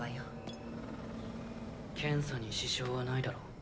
ピッ検査に支障はないだろ。